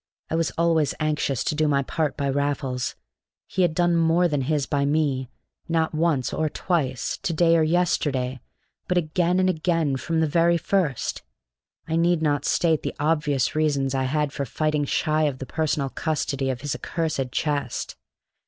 I was always anxious to do my part by Raffles; he had done more than his by me, not once or twice, to day or yesterday, but again and again from the very first. I need not state the obvious reasons I had for fighting shy of the personal custody of his accursed chest.